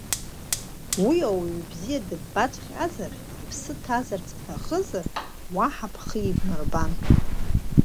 Уи ауаҩ бзиа дыббаҵәҟьозар, иԥсы ҭазаарц бҭахызар, уаҳа бхы ибмырбан.